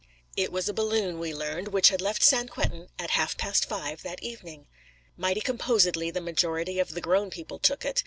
It was a balloon, we learned, which had left Saint Quentin at half past five that evening. Mighty composedly the majority of the grown people took it.